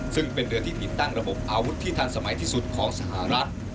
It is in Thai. ซึ่งเป็นเรือที่ติดตั้งระบบอาวุธที่ทันสมัยที่สุดของสหรัฐ